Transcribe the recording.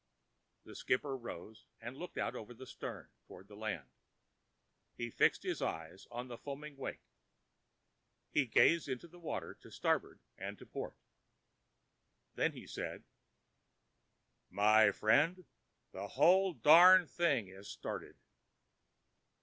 The skipper rose and looked out over the stern, toward the land; he fixed his eyes on the foaming wake; he gazed into the water to starboard and to port. Then he said: "My friend, the whole darned thing has started."